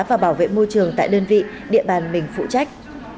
và bảo vệ môi trường tại đơn vị địa bàn mình phụ trách